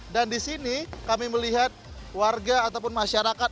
dan di sini kami melihat warga ataupun masyarakat